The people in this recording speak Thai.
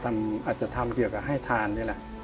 อาจจะทำเกี่ยวกับให้ทานนี่แหละ